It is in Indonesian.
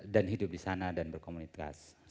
dan hidup di sana dan berkomunikasi